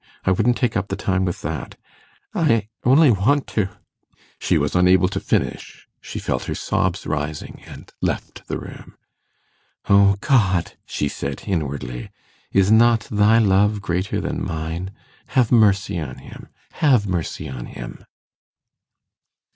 I wouldn't take up the time with that. I only want to ...' She was unable to finish; she felt her sobs rising, and left the room. 'O God!' she said, inwardly, 'is not Thy love greater than mine? Have mercy on him! have mercy on him!